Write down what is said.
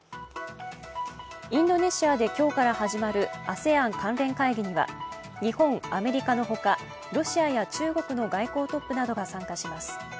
インドネシアで今日から始まるＡＳＥＡＮ関連会議には日本、アメリカのほか、ロシアや中国の外交トップなどが参加します。